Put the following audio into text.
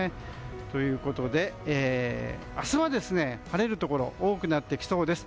ということで明日は晴れるところが多くなってきそうです。